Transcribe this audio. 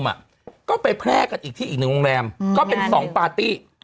เขาก็ไปแพร่กับอีกที่อะไรก็เป็นสองปาร์ตี้